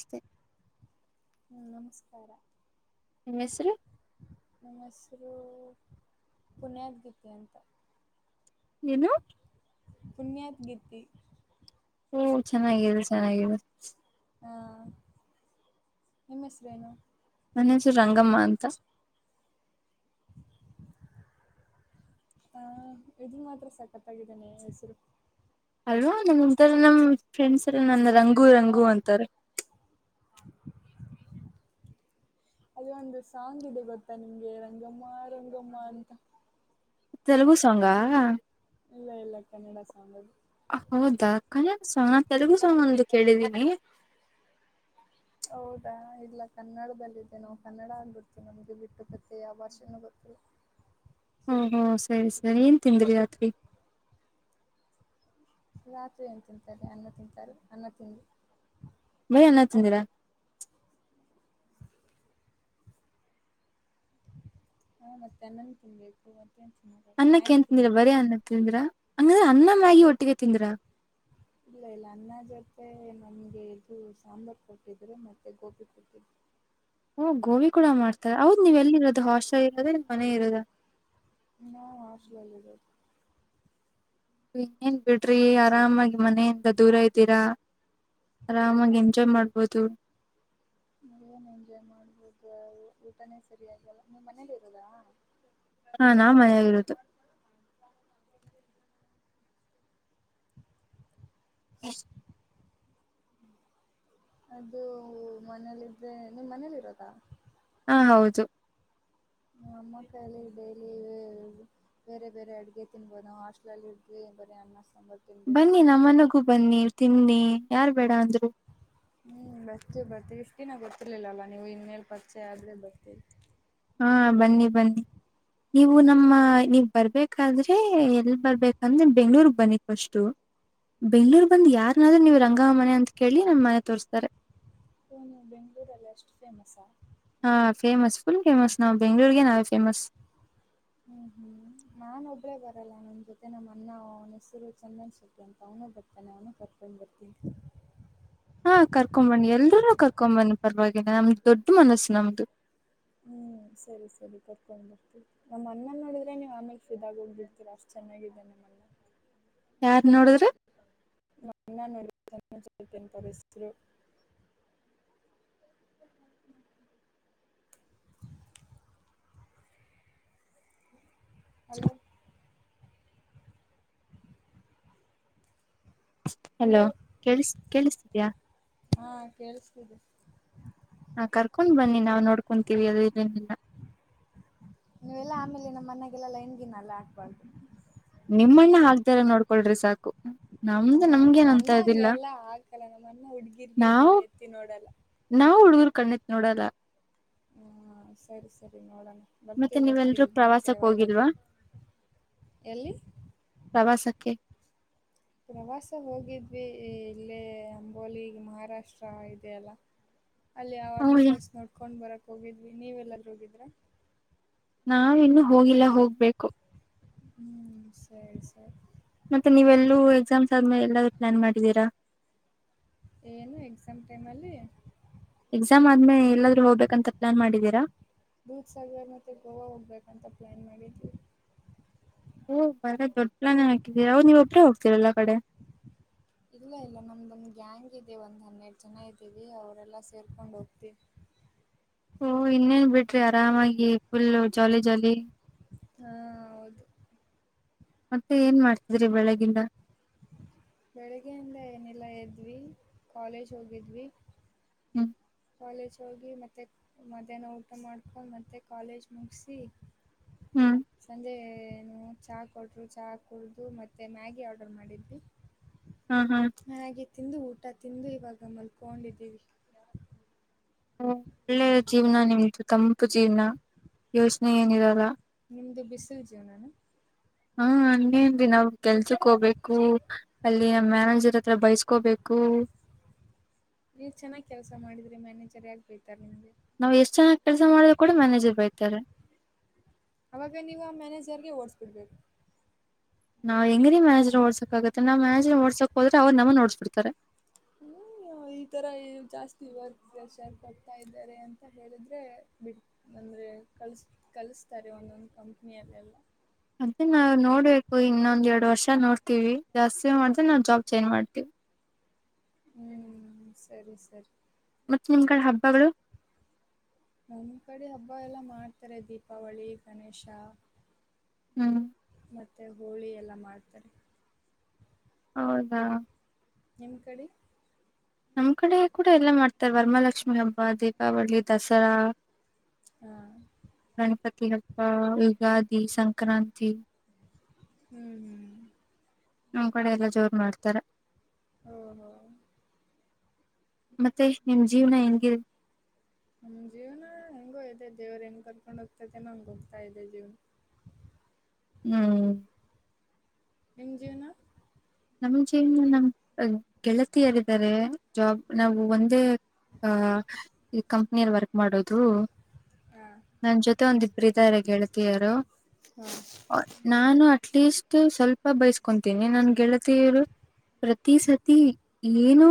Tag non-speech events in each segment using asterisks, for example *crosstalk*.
ಚೆ ಹ ನಮಸ್ಕಾರ ನಿಮ್ ಹೆಸರು ಹೆಸರು ಪುಣ್ಯದ್ಗೀತೆ ಅಂತ ಏನು ಪುಣ್ಯಾತ್ ಗಿತಿ ಓ ಚೆನ್ನಾಗಿದೆ ಚೆನ್ನಾಗಿದೆ ನಿಮ್ಮ ಹೆಸರೇನು ಮನಸು ರಂಗಮ್ಮಮ್ಮ ಅಂತ ಹ ಇದದು ಮಾತ್ರ ಸಕತ್ಗಿದ್ದೇನೆ ಹೆಸರು ಅಲ್ವಾ ನನ್ನ ಒಂತರ ನಮ್ ಫ್ರೆಂಡ್ಸ್ ಎಲ್ಲ ನನ್ನ ರಂಗು ರಂಗು ಅಂತಾರೆ *inaudible* ಅದು ಒಂದು ಸಾಂಗ್ ಇದೆ ಗೊತ್ತಾ ನಿಂಗೆ ರಂಗಮ್ಮ ರಂಗಮ್ಮ ಅಂತ ತೆಲುಗು ಸಾಂಗಾ ಇಲ್ಲ ಇಲ್ಲ ಕನ್ನಡ ಸಾಂಗ್ ಅದು ಹೌದಾ ಕಲ್ಯಾಣ ಸಾಂಗ ತೆಲುಗು ಸಾಂಗ್ ಒಂದು ಕೇಳಿದಿ ಹ ಹೌದಾ ಇಲ್ಲ ಕನ್ನಡದಲ್ಲಿದೆ ನಾವು ಕನ್ನಡ ಅಂದಬಿಡ್ತೀವಿ ನಮ್ಗೆ ಬಿಟ್ಟು ಗತ್ತೆ ಯಾವ ಭಾಷೆನ ಗೊತ್ತಿಲ್ಲ ಹಓ ಹೋ ಸರಿ ಸರಿ ಏನ್ ತಿಂದ್ರಿ ರಾತ್ರಿ ರತು ಏನು ತಿಂತಾರೆ ಅನ್ನ ತಿಂತಾರೆ ಅನ್ನ ತಿನು ಬಯ ಅನ್ನ ತಂದಿರ ಹಾ ಮತ್ತೆ ಅನ್ನನ್ ತಿನ್ಬೇಕು ಮತ್ತೆ ಅನ್ನಕ್ಕೆೇನ್ ತಿಂದಿರ ಬರಯ ಅನ್ನ ತಿಂದಿರಾ ಹಂಗ್ರ ಅನ್ನ ಮ್ಯಾಗಿ ಒಟ್ಟಿಗೆ ತಿಂದ್ರ ಇಲ್ಲ ಇಲ್ಲ ಅನ್ನ ಜೊತೆ ನಮಗೆ ಇದು ಸಾಂಬಾರ್ ಕೊಟ್ಟಿದ್ದರೆ ಮತ್ತು ಗೋಬಿ ಕೊಟ್ಟಿದ್ದರು ಹಓ ಗೋಬಿ ಕೂಡ ಮಾಡ್ತಾರೆ ಹೌದ್ ನೀವ್ ಎಲ್ಲಿ ಇರೋದು ಹಾಸ್ಟೆಲ್ ಇರೋದ ಮನೆ ಇರೋದ ಹ್ಮ್ ಹಾಸ್ಟಲಿ ಇನ್ನೇನ್ ಬಿಡ್ರಿ ಆರಾಮಾಗಿ ಮನೆಯಿಂದ ದೂರ ಇದ್ದೀರಾ ಆರಾಮಾಗಿ ಎಂಜಾಯ್ ಮಾಡ್ಬೋದು ನೀ ಏನ್ ಎಂಜಾಯ್ ಮಾಡ್ಬೋುದ ಊಟನೇ ಸರಿಯಾಗಲ್ಲ ನಿ್ ಮನೇಲಿ ಇರೋದಾ ಹಾ ನನಾವು ಮನೆಲ್ಲಿ ಇರೋದು ಎಷ್ಟ ಅದು ಮನೇಲಿ ಇದ್ರೆ ನಿಮ್ ಮನೇಲಿ ಇರೋದಾ ಹಾ ಹೌದು ಅಮ್ಮ ಕಾಯಲ್ಲಿಿ ಡೈಯಲಿ ಬರೆ ಬರೆ ಅಡುಗೆ ತಿಿನಬೋದ ಹಾಸ್ಟಲಲ್ಲಿ ಇ ಬರ ಅಣ್ಣ ಬನ್ನಿ ನಮ್ಮನಗೂ ಬನ್ನಿ ತಿನ್ನಿ ಯಾರ್ ಬೇಡ ಅಂದ್ರು ಹೂ ಬರ್ತೇ ಬರ್ತೇವಿ ಇಷ್ಟಿನ ಗೊತ್ತಿರ್ಲಿಲ್ಲಲ್ಲ ನೀವು್ ಇನ್ ಮೇಲ್ ಪರಿಚೆ ಆದ್ರೆ ಬರ್ತೀವಿ ಹಾ ಬನ್ನಿ ಬನ್ನಿ ನೀವು ನಮ್ಮ ನೀವ ಬರ್ಬೇಕಾದ್ರೆ ಎಲ್ ಬರ್ಬೇಕಂದ್ರೆ ಬೆಂಗ್ಳೂರ್ಗ್ ಬನ್ನಿ ಫಸ್ಟು ಬೆಂಗಳೂರ್ ಬಂದು ಯಾರನಾದ್ರೂ ನೀವು ರಂಗಮ್ಮ ಮನೆ ಅಂತ ಕೇಳಿ ನನ್ ಮನೆ ತೋರ್ಸ್ತಾರೆ ಹ ನೀವು ಬೆಂಗಳೂರುಲ್ಲ ಎಷ್ಟುಫೇಮಸ್ ಆ ಹಾ ಫೇಮಸ್ ಫುಲ್ ಫೇಮಸ್ ನಾವು ಬೆಂಗ್ಗಳೂರ್ಗೆ ನಾವೇ ಫೇಮಸ್ ಹೂ ಹೂ ನಾನ ಒಬ್ಬ್ರೇ ಬರಲ್ಲ ನಮ ಜೊತೆ ನಮ್ಮ ಅನ್ನ ಅವ ಹೆಸರು ಚಂದನ್ ಸೌಟ್ಟಿ ಅಂತ ಅವ ನಾಮ್ ಅಣ್ಣ ಬರ್ತಾನೆ ಅವ್ನು ಕರ್ಕೊಂಡು ಬರ್ತೀನಿ ಹಾ ಕರ್ಕೊ್ ಬನ್ನಿ ಎಲ್ೂ ಕರ್ಕೊಂಡ್ ಬನ್ನಿ ಪರವಾಗಿ ನಮ್ದದು ದೊಡ್ಡ ಮನಸ್ಸು ನಮದು ೊಂಡ್ಬರ್ತಿ ನಮ್ಮ ಅ್ಣಲ್ಲಿ ನೋಡಿದ್ರೆ ನೀವು ಆಮೇಲೆ ಫದಾಗ ಹೋಗ್ಬಿರ್ತೀರ ಅಷ್ಟ್ ಚೆನ್ನಾಗಿದ್ದೇ ನಮ್ಮನ್ನ ಯಾರ್ ನೋಡಿದ್ರೆ ಮಜಪನ್ ಪವಿಸರು ಅಲೋ ಹಲೋ ಕ ಕೇಳಿಸಿದ್ಯಾ ಹಾ ಕೇಳಿಸ್ತಿದೆ ಹಾ ಕರ್ಕೊಂಡ್ ಬನ್ನಿ ನಾವು ನೋಡ್ಕೊಂತೀವಿ ಅದು ಇಲ್ಲಿನ್ನ ನೀವೆಲ್ಲಾ ಆಮೇಲೆ ನಮ್ಮ ಮನೆಯಾಗಲ್ಲಲ್ಲಾ ಹೆನ್ಗಿನಲ್ಲಾ ಆಾಕ್ಬಾರ್ದು ನಿಮ್ಮಣ್ಣ ಹಾ್ದಾರ ನೋಡ್ಕೊಳ್ರಿ ಸಾಕು ಹೂ ನಮ್ದು ನಮ್ಗೇನ್ ನಮ್ಮ ಅಂತ ಅಣ್ಣ ಹಂಗೆ ಇದಿಲ್ಲ ಎಲ್ಲಾ ಹಾಕಲ್ಲ ನಮ್ಮ ಅಣ್ಣ ಹುಡ್ಗಿರಿಗೆ ನಾವು ಕಣ್ಣು ಎತ್ತಿ ನೋಡಲ್ಲ ನಾವು ಹುಡ್ಗೂರು ಕಣ್ಣಿತ್ ನೋಡಲ್ಲ ಹಾ ಸರಿ ಸರಿ ನೋಡಣ ಮತ್ತೆ ನೀವೆಲ್ರೂ ಪ್ರವಾಸಕ್ ಹೋಗಿಲ್ವಾ ಎಲ್ಲಿ ಪ್ರವಾಸಕ್ಕೆ ಓಕೆ ಪ್ರವಾಸ ಹೋಗಿದ್ವಿ ಇಲ್ಲೇ ಅಂಬೋಲಿ ಮಹಾರಾಷ್ಟ್ರ ಇದೇ ಅಲ್ಲ ಹ ಅಲ್ಲಿ ಆ ವಾಟರ್ಫಾಲ್ಸ್ ನೋಡ್ಕೊಂಡ್ ಬರಕ್ ಹೋಗಿದ್ವಿ ನೀವ ಎಲ್ಲರೂ ಹೋಗಿದ್ರ ನಾವು ಇನ್ನೂ ಹೋಗಿಲ್ಲ ಹೋಗ್ಬೇಕು ಹೂ ಸರಿ ಸರಿ ಮತ್ತೆ ನೀವೆ ಎಲ್ಲೂ ಎಕ್ಸಾಮ್ಸ್ ಆದ್ಮೇಲೆ ಎಲ್ಲಾದೂ ಪ್ಲಾನ್ ಮಾಡಿದೀರಾ ಏನು ಎಕ್ಸಾಮ್ ಟೈಮ್ ಅಲ್ಲಿ ಎಕ್ಸಾಮ್ ಆದ್ಮೇ ಎಲ್ಲಾದ್ರೂ ಹೋಗ್ಬೇಕಂತ ಪ್ಲಾನ್ ಮಾಡಿದೀರಾ ದೂದ್ ಸಾಗರ್ ಮತ್ತೆ ಗೋವಾ ಹೋಗ್ಬೇಕಂತ ಪ್ಲಾನ್ ಮಾಡಿದ್ವಿ ಹೂಂ ದೊಡ್ಡಪ್ಲಾನ್ ಹಾಕಿದ್ದೀರ ನೀವು ಒಬ್ರೇ ಹೋಗ್ತೀರಲ್ಲಾ ಕಡೆ ಇಲ್ಲ ಇಲ್ಲ ನಮಂದ್ ಗ್ಯಾಂಗ್ ಇದೆ ಒಂದ್ ಹನ್ನೆರಡು ಜನ ಇದ್ದೀವಿ ಅವರೆಲ್ಲಾ ಸೇರ್ಕೊಂಡ್ ಹೋಗ್ತೀವಿ ಹೂಂ ಇನ್ನೇನ್ ಬಿಡ್ರಿ ಆರಾಮಾಗಿ ಫುಲ್ ಜಾಲಿ ಜಾಲಿ ಹಾ ಹೌದು ಮತ್ತೆ ಏನ್ ಮಾಡ್ತಿದ್ರಿ ಬೆಳಗಿಂದ ಬೆಳಿಗ್ಗೆಯಿಂದ ಏನಿಲ್ಲ ಎದ್ವಿ ಕಾಲೇಜ್ ಹೋಗಿದ್ವಿ ಹ್ಮ್ ಕಾಲೇಜ್ ಹೋಗಿ ಮತ್ತೇ ಮಧ್ಯಾಹ್ನ ಊಟ ಮಾಡ್ಕೊಂಡು ಮತ್ತೆ ಕಾಲೇಜ್ ಮುಗಿಸಿ ಹೂ ಅಂದೇನು ಚಹಾ ಕೊಟ್ಟರು ಚಹಾ ಕುಡಿದು ಮತ್ತೆ ಮ್ಯಾಗಿ ಆರ್ಡರ್ ಮಾಡಿದ್ದ್ವಿ ಹಾ ಹಾ ಮ್ಯಾಗಿ ತಿಂದು ಊಟ ತಿಂದು ಇವಾಗ ಮಲ್ಕೊಂಡಿದ್ದೀವಿ ಹೂಂ ಒಳ್ಳೆ ಜೀವನ ನಿಮ್ಮದು ತಂಪು ಜೀವನ ಯೋಚನೆ ಏನಿರಲ್ಲ ನಿಮ್ದು ಬಿಸಿಲು ಜೀವನ ಹಾ ಅನ್ನೇನ್ರಿ ನಾವು ಕೆಲ್ಸಕ್ ಹೋಗ್ಬೇಕು ಅಲ್ಲಿ ಮ್ಯಾನೇಜರ್ ಹತ್ರ ಬೈಸ್ಕೋಬೇಕು ನೀವ್ ಚೆನ್ನಾಗ್ ಕೆಲಸ ಮಾಡಿದ್ರಿ ಮನೇಜರಿಯಾಗಿ ಬಯತಾರ ನಿಮ್ದಗೆ ನಾವ್ ಎಷ್ಟ್ ಚನ್ನಗ ಕೆಲಸ ಮಾಡಿದ್ರು ಕೂಡ ಮ್ಯಾನೇಜರ್ ಬೈತಾರೆ ಅವಾಗ ನೀವು ಆ ಮ್ಯಾನೇಜರ್ಗೆ ಓಡಸ್ಬಿಡ್ಬೇಕು ನಾವ್ ಹೆಂಗಿ ಮ್ಯಾನೇಜರ್ ನಾ ಓಡ್ಸಕ್ ಆಗುತ್ತೆ ನಾವ್ ಮ್ಯಾನೇಜರ್ ನ ಹೊಡ್ಸಕ್ ಹೋದ್ರೆ ಅವ್ರ್ ನಮ್ಮನ್ನು ಹೊಡುಸ್ಬಿಡ್ತಾರೆ ಇತರ ಜಾಸ್ತಿ ವರ್ಕ್ ಪ್ರೆಶರ್ ಕೊಡ್ತಾ ಇದಾರೆ ಅಂತ ಹೇಳಿದ್ರೆ ಬಿಟ್ ಬಂದ್ ಏ ಕಲ್ ಕಲಸ್ತಾರೆ ಒಂದೊಂದು ಕಂಪನಿಯಲ್ಲಿಎಲ್ಲಾ ಏನ್ ನೋಡಬೇಕು ಇನ್ನೊಂದೆರಡು ವರ್ಷ ನೋಡ್ತೀವಿ ಜಾಸ್ತಿ ಮಾಡಿದ್ರೆ ನಾವು ಜಾಬ್ ಚೇಂಜ್ ಮಾಡ್ತೀವಿ ಹೂಂ ಸರೀ ಸರಿ ಮತ್ ನಿಮ್ ಕಡೆ ಹಬ್ಬಗಳು ನಮ್ಮ ಕಡೆ ಹಬ್ಬ ಎಲ್ಲ ಮಾಡ್ತಾರೆ ದೀಪಾವಳಿ ಗಣೇಶ ಹೂಂ ಮತ್ತೆ ಹೋಳಿ ಎಲ್ಲ ಮಾಡ್ತಾರೆ ಹೌದಾ ನಿಮಕಡೆ ನಮ್ಮ ಕಡೆ ಕೂಡ ಎಲ್ಲ ಮಾಡ್ತಾರೆ ವರಮಹಾಲಕ್ಷ್ಮಿ ದೀಪಾವಳಿ ದಸರಾ ಹಾ ಗಣಪತಿ ಹಬ್ಬ ಯುಗಾದಿ ಸಂಕ್ರಾಂತಿ ಹೂಂ ಹೂಂ ನಮ್ ಕಡೆ ಎಲ್ಲಾ ಜೋರ್ ಮಾಡ್ತಾರ ಹಾ ಹಾ ಮತ್ತೆ ನಿಮ್ ಜೀವನ ಹೆಂಗಿ ನಮ್ ಜೀವನ ಹೆಂಗೋ ಇದೆ ದೇವರ ಹೆಂಗ್ ಕರ್ಕೊಂಡು ಹೋಗ್ತತೈತೆ ನೋ ಹಂಗ್ ಹೋಗ್ತಾ ಇದೆ ಜೀವನ ಹೂಂ ಎಂಜನ ನಮ ಜನ ನಮ ಗೆಳತಿಯರಿದ್ದಾರೆ ಜಾಬ್ ನಾವು ಒಂದೇ ಆ ಈ ಕಂಪನಿಲೀ ವರ್ಕ್ ಮಾಡೋದು ಹಾ ನಂಜೊತೆ ಒಂದಿಬ್ರು ಇದರೆ ಗೆಳತಿಯರು ಹಾ ನಾನು ಅಟ್ ಲೀಸ್ಟ್ ಸ್ವಲ್ಪ ಬೈಸ್ಕೊತಿನಿ ನನ್ ಗೆಳತಿ ಪ್ರತಿ ಸತಿ ಏನು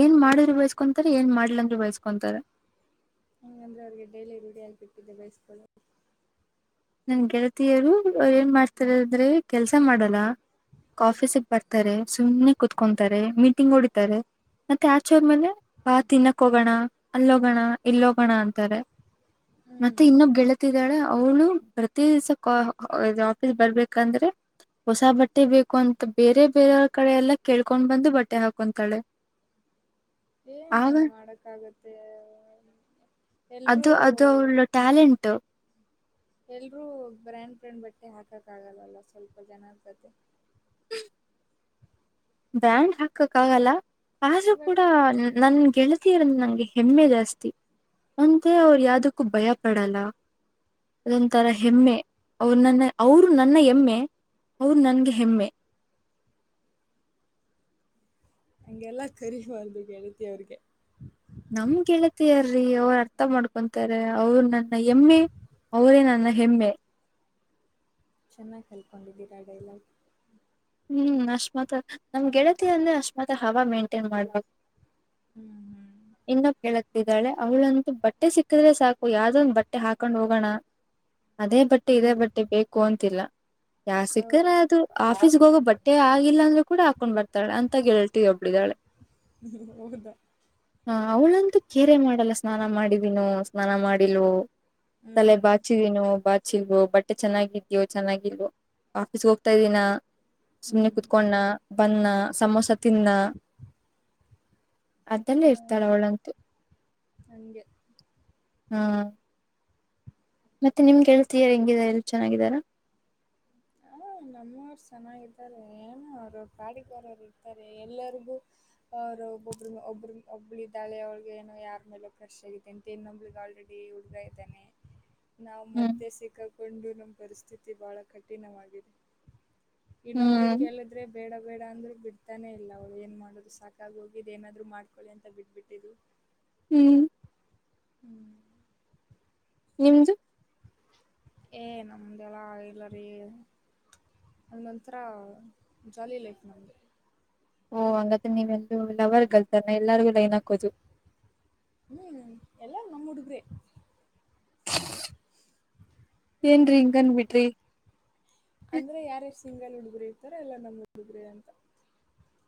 ಏನ್ ಮಾಡಿರ್ ಬೈ ಕೊಂತಾರೆ ಏನ್ ಮಾಡಿಲ ಅಂದರು ಬಯಸ್ಕೊಂತಾರೆ ಹಂಗಂದ್ರೆ ಅವ್ರಿಗೆ ಡೈಲಿ ರೂಡಿಯಾಗ್ಬಿಟ್ಟಿದೆ ಬೈಸ್ಕೊಳ್ಳುವುದು ನನ್ ಗೆಳತಿಯರು ಏನ್ ಮಾಡ್ತಾರ ಅಂದ್ರೆ ಕೆಲ್ಸ ಮಾಡಲ್ಲ ಆಫೀಸ್ ಬರ್ತಾರೆ ಸುಮ್ಮನೆ ಕುೂತ್ಕೊಂತಾರೆ ಮ ತಿಂಗ ಹೊಡಿತಾರೆ ಮತ್ತೆ ಆಚೆ ಹೋದ್ ಮೇಲೆ ಬಾ ತಿನ್ನಕ್ಕೋಗೋಣ ಅಲ್ಲೋಗೋಣ ಇಲ್ಲೋಗೋಣ ಅಂತಾರೆ ಮತ್ತೆ ಹ್ಮ್ ಇನ್ನೊಬ್ ಗೆಳತಿದ್ದಾಳೆ ಅವಳು ಪ್ರತಿ ದಿವ್ಸ ಆಫೀಸ್ ಬರ್ಬೇಕಂದ್ರೆ ಹೊಸ ಬಟ್ಟೆ ಬೇಕು ಅಂತ ಬೇರೆ ಬೇರೆಯವ ಕಡೆ ಎಲ್ಲ ಕೇಳ್ಕೊಂಡ್ ಬಂದು ಬಟ್ಟೆ ಹಾಕೊಂತಾಳೆ ಏನ್ ಆಗ ಮಾಡಕ್ಕ ಆಗತ್ತೆ ಅದು ಅದು ಅವಳ್ಳು ಟ್ಯಾಲೆಂಟ ಎಲ್ರೂ ಬ್ರ್ಯಾಂಡ್ ಬ್ರ್ಯಾಂಡ್ ಬಟ್ಟೆ ಹಾಕಕ್ ಆಗಲ್ಲಲ್ಲ ಸ್ವಲ್ಪ ಜನತತೆ ಬ್ರಾಂಡ್ ಹಾಕಕ್ ಆಗಲ್ಲ ಆದ್ರೂ ಬಟ್ ಕೂಡ ನನ್ ಗೆಳತಿಯರ ನಂಗೆ ಹೆಮ್ಮೆ ಜಾಸ್ತಿ ಅಂದ್ರೆ ಅವ್ರ ಯಾವದಕ್ಕೂ ಭಯ ಪಡಲ್ಲ ಅದೊಂತರ ಹ್ಮ್ ಹೆಮ್ಮೆ ಅವ್ರ ನನ್ನ ಅವರು. ನನ್ನ *unintelligible* ಅವ್ರು ನನ್ಗೆ ಹೆಮ್ಮೆ. ಹಗೆಲ್ಲಾ ಕರಿಬಾರ್ದು ಗೆಳತಿ ಅವ್ರಿಗೆ. ನಮ್ ಗೆಳತಿ ಅಲ್ರಿ ಅವರ ಅರ್ಥ ಮಾಡ್ಕೊಂತ ತ್ತಾರೆ ಅವರು ನನ್ನ ಎಮ್ಮೆ ಅವರೇ ನನ್ನ ಹೆಮ್ಮೆ. ಚೆನ್ನಾಗಿ ಕಲ್ಕೊಂಡಿದ್ದೀರಾ ಆ ಡೈಲಾಗ್. ಹ್ಮ್ ಅಷ್ಟ್ಮತ್ ನಮ್ ಗೆಳತಿ ಅಂದ್ರೆ ಅಷ್ಟ್ಮತ್ ಹವ ಮೇಂಟೈನ್ ಮಾಡ್ಬೇಕ. ಹ್ಮ್ *unintelligible* ಇದ್ದಾಳೆ ಅವ್ಳಂತೂ ಬಟ್ಟೆ ಸಿಕ್ಕಿದ್ರೆ ಸಾಕು ಯಾವ್ದೊಂದು ಬಟ್ಟೆ ಹಾಕೊಂಡ್ ಹೋಗೋಣ. ಅದೇ ಬಟ್ಟೆ ಇದೇ ಹ್ಮ್ ಹ್ಮ್ ಬಟ್ಟೆ ಬೇಕು ಅಂತಿಲ್ಲ ಯಾವ್ದ್ ಓ ಸಿಕ್ಕಿದ್ರೆ ಅದು ಆಫೀಸ್ಗೆ *unintelligible* ಹೋಗೋ ಬಟ್ಟೆ ಆಗಿಲ್ಲ ಅಂದ್ರೆ ಕೂಡ ಹಾಕೊಂಡ್ ಬರ್ತಾಳೆ ಅಂತ ಗೆಳತಿ ಒಬ್ಬಳಿದಾಳೆ. *unintelligible* ಹೌದಾ ಹ ಅವ್ಳಂತೂ ಕೇರ ಹೇ ಮಾಡಲ್ಲ ಸ್ನಾನ ಮಾಡಿದೀನೋ ಸ್ನಾನ ಮಾಡಿಲ್ವೋ ತಲೆ ಹ್ಮ್ ಬಾಚಿದೀನೋ *unintelligible* *unintelligible* ಬಟ್ಟೆ ಚೆನ್ನಾಗಿದ್ಯೋ ಚೆನ್ನಾಗಿಲ್ವೋ ಆಫೀಸ್ಗೆ ಹೋಗ್ತಾ ಇದ್ದೀನ ಸುಮ್ನೆ ಹ್ಮ್ ಕೂತಗೊಂಡ್ನ ಬಂದ್ನಾ ಸಮೋಸ ತಿಂನ್ನ. ಅದ್ದಲ್ಲೇ ಹ್ಮ್ ಇರ್ತಳ ಅವಳಂತು. ಹಂಗೆ. ಹ ಮತ್ತೆ ನಿಮ್ಗೆಳ್ತಿಯರು ಹೆಂಗಿದಾರೆ ಎಲ್ಲ ಚೆನ್ನಾಗಿದಾರ. ನಮ್ಮವರು ಚೆನ್ನಾಗಿದರೆ ಏನೋ ಅವರವರ ಪಾಡಿಗವರು ಇರ್ತಾರೆ ಎಲ್ಲರಿಗೂ ಅವರು ಒಬ್ಬಬ್ಬ ಒಬ್ಬ್ರ ಒಬ್ಬಳ ಇದಾಳೆ ಅವಳಗ್ ಏನೋ ಯಾರ ಮೇಲೆ ಕ್ರಶ್ ಆಗಿದೆ ಅಂತ ಇನ್ನೊಬ್ಬಳಿಗೆ ಆಲ್ರೆಡಿ ಹುಡ್ಗ ನಾವು ಹ್ಮ್ ಮದ್ಯೆ ಸಿಕ್ಕಕೊಂಡು ನಮ್ಮ ಪರಿಸ್ಥಿತಿ ಬಹಳ ಕಠಿಣವಾಗಿದೆ. ಹ್ಮ್ ಇನ್ನೊಬ್ಲಿಗ್ ಕೇಳಿದ್ರೆ ಬೇಡ ಬೇಡ ಅಂದ್ರು ಬಿಡ್ ತಾನೇ ಇಲ್ಲ ಅವಳು ಏನ್ ಮಾಡೋದು ಸಾಕಾಗಿ ಹೋಗಿದೆ ಏನಾದ್ರು ಮಾಡ್ಕೊಳ್ಳಿ ಅಂತ ಬಿಟ್ಬಿಟ್ಟಿದಿವಿ. ಹ್ಮ್ ಹ್ಮ್ ನಿಮ್ದು ಏ ನಮ್ದೆಲ್ಲ ಇಲ್ಲರಿ. ನಮ್ದ್ ಒಂತರಾ ಜಾಲಿ ಲೈಫ್ ನಮ್ದು. ಓ *unintelligible* ನೀವೆಲ್ಲೂ ಲವರ್ ಗರ್ಲ್ಸ್ *unintelligible* ಎಲ್ಲರಿಗು ಲೈನ್ ಹಾಕೋದು. ಹ್ಮ್ ಎಲ್ಲಾ ನಮ್ಮ್ ಉಡುಗ್ರೆ. ಏನ್ರಿ ಹಿಂಗ್ ಅಂದ್ ಬಿಟ್ರಿ. ಅಂದ್ರೆ ಯಾರ ಸಿಂಗಲ್ ಹುಡುಗ್ರ ಇರ್ತಾರ ಎಲ್ಲಾ ನಮ್ ಹುಡುಗ್ರ ಅಂತ.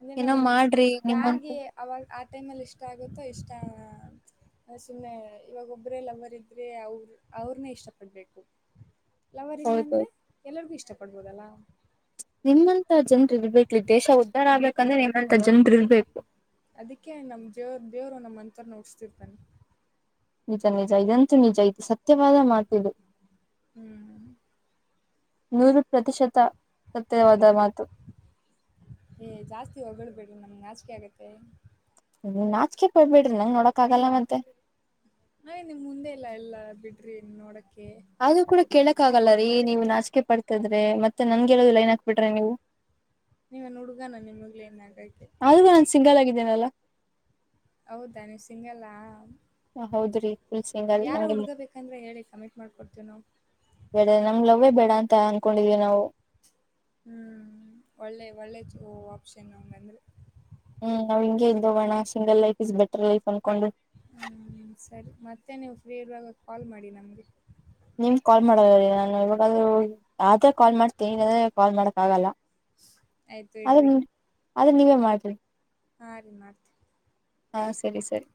ಅಂದೆ ಏನೋ ನಾವು ಮಾಡ್ರಿ ನಿಮ್ಮಂತ ಯಾರ್ಗೆ ಅವಾಗ ಆ ಟೈಮ್ ಅಲ್ಲಿ ಇಷ್ಟ ಆಗುತ್ತೋ ಇಷ್ಟ ಸುಮ್ಮನೆ ಇವಾಗ ಒಬ್ರೇ ಲವರ್ ಇದ್ರೆ ಅವ್ರ ಅವ್ರನೆೇ ಇಷ್ಟ ಪಡ್ಬೇಕು. ಲವರ್ ಇಲ್ಲ ಅಂದ್ರೆ ಹೌದೌದು ಎಲ್ಲರಿಗು ಇಷ್ಟ ಪಡ್ಬೋದಲ್ಲ. ನಿಮ್ಮಂತ ಜನರ್ ಇರ್ಬೇಕ್ರಿ ದೇಶ ಉದ್ದಾರ *unintelligible* ಅದಕ್ಕೆ ನಮ್ ಜೇವರು ದೇವರು ನಮ್ಮ. *unintelligible* *unintelligible* ನಿಜ ಇದಂತೂ ನಿಜ ಇದು ಸತ್ಯವಾದ ಮಾತು ಇದು. ನೂರು ಪ್ರತಿಶತ ಸತ್ಯವಾದ ಮಾತು. ಏ ಜಾಸ್ತಿ ಹೊಗ್ಳ್ಬೇಡ್ರಿ ನಮ್ಗೆ ನಾಚಿಕೆ ಆಗತ್ತೆ. *unintelligible* ನಾಚಕೆ ಪಡ್ಬೇಡ್ರಿ ನಂಗ್ ನೋಡಕ್ ಆಗಲ್ಲ ಮತ್ತೆ. ಟ್ರೇನ್ ನೋಡ್ ಅದು ಕೂಡ ಕೇಳಕಾಗಲ್ಲ ರೀ ನೀವು ನಾಚಿಕೆ ಪಡ್ತದ್ರೆ ಮತ್ತೆ *unintelligible* ಲೈನ್ ಹಾಕ್ಬಿಟ್ರಿ ನೀವು ನೀವೆನ್ ಹುಡುಗಣ ನಿಮಗ್ ಲೈನ್ ಅಕಕ್ಕೆ. ಆದ್ರೂ ನಾನ್ ಸಿಂಗಲ್ ಆಗಿದ್ದೀನಲ್ಲ ಹೌದಾ ನೀವ್ ಸಿಂಗಲ್ಲಾ. ಹೌದ್ರಿ ಫುಲ್ ಸಿಂಗಲ್ ಯಾರ ನಂಗೆ ಹುಡ್ಗಬೇಕಂದ್ರೆ ಹೇಳಿ ಕಮಿಂಟ್ ಮಾಡಕೊಡ್ತೇವಿ ನಾವು. ಬೇಡ ನಮ್ ಲವ್ ಹೆ ಬೇಡ ಅಂತ ಅನ್ಕೊಂಡಿದ್ವಿ ನಾವು. ಹ್ಮ್ ಒಳ್ಳೆ ಒಳ್ಳೆ ಆಪ್ಷನ್ ಹಂಗಂದ್ರೆ ಹ್ಮ್ ನಾವ್ ಹಿಂಗಗೆ ಇದ್ದೋಗೋಣ single life is better life ಅ ಹಞ ಸರಿ ಮತ್ತೆ ನೀವು ಫ್ರೀ ಇರುವಾಗ ಕಾಲ್ ಮಾಡಿ ನಮಗೆ ನಿಮ್ ಕಾಲ್ ಮಾಡದರಿ ನಾನು ಇವಾಗಾದ ಯ್ರೆ ಕಾಲ್ ಮಾಡ್ತೀನಿ ಇ್ರ ಕಾಲ್ ಮಾಡಕ್ ಆಗಲ್ಲ ಆಯ್ತು ಇಡ್ರಿ ಅದ ನೀವೇ ಮಾಡ್ತರಿ ಹಾ ರೀಮತ್ ಹಾ ಸರಿ ಸರಿ